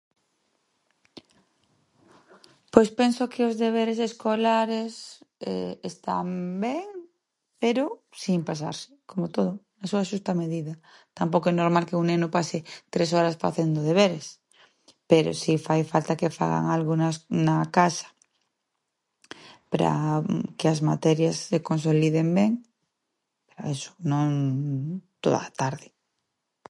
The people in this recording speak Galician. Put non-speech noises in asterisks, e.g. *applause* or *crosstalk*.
Pois penso que os deberes escolares *hesitation* están ben, pero sin pasarse, como todo, eso a xusta medida, tampouco é normal que un neno pase tres horas facendo deberes, pero si fai falta que fagan algo na na casa pra que as materias se consoliden ben, eso non toda a tarde.